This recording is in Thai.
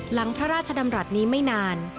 พระราชดำรัฐนี้ไม่นาน